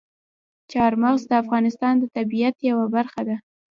چار مغز د افغانستان د طبیعت یوه برخه ده.